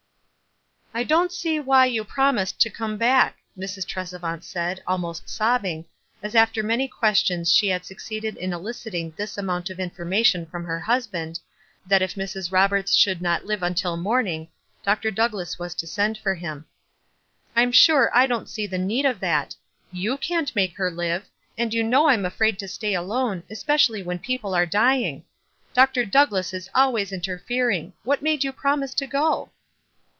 "I don't see why you promised to come back," Mrs. Tresevant said, almost sobbing, as after many questions she had succeeded in eliciting this amount of information from her husband, that if Mrs. Roberts should n< c live until morn 280 WISE AND OTHERWISE. ing, Dr. Douglass was to send for him. "I'm sure I don't see the need of that. You can't make her live ; and you know I'm afraid to stay alone, especially when people are dying. Dr. Douglass is always interfering. What made you promise to go